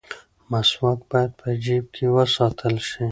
مسواک باید په جیب کې وساتل شي.